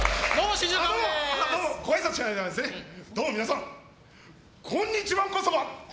どうも皆さんこんにちわんこそば！